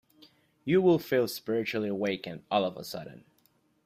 You would feel spiritually awakened all of a sudden.